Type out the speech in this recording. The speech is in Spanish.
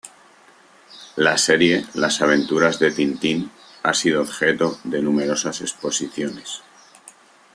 La serie "Las aventuras de Tintín" ha sido objeto de numerosas exposiciones.